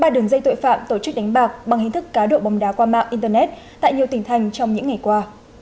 ba đường dây tội phạm tổ chức đánh bạc bằng hình thức cá độ bóng đá qua mạng internet tại nhiều tỉnh thành trong những ngày qua